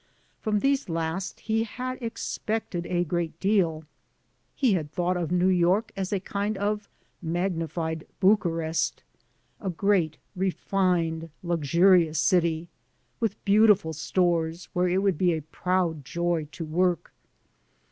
From these last he had expected a great deal. He had thought of New York as a kind of magnified Bucharest— a great, refined, luxurious dty, with beautiful stores where it would be a proud joy to work.